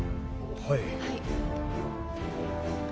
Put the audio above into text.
はい。